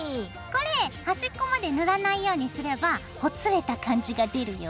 これ端っこまで塗らないようにすればほつれた感じが出るよ。